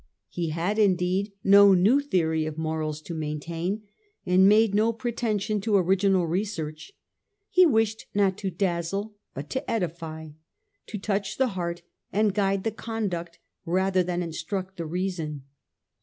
He had, indeed, no new theory of morals to maintain, and made no pretension to original research; he wished not to dazzle but to edify, to touch the heart and guide the conduct rather than instruct the reason.